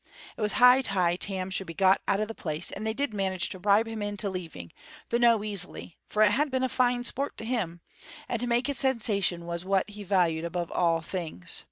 It was high time Tam should be got out of the place, and they did manage to bribe him into leaving, though no easily, for it had been fine sport to him, and to make a sensation was what he valued above all things.